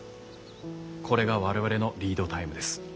これが我々のリードタイムです。